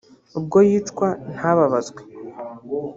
ubwo yicwa ntabazwe